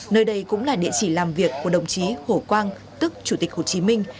nơi đây cũng là địa chỉ làm việc của đồng chí hồ quang tức chủ tịch hồ chí minh